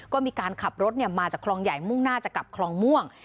ก็มีการขับรถมาจากคลองใหญ่มุ่งหน้าจะกลับคลองม่วง